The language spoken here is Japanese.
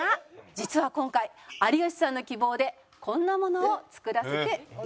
実は今回有吉さんの希望でこんなものを作らせていただきました。